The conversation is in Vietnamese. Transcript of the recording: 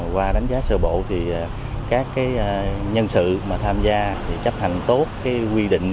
qua đánh giá sơ bộ thì các nhân sự mà tham gia thì chấp hành tốt quy định